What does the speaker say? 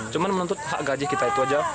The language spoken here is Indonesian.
cuma menuntut hak gaji kita itu aja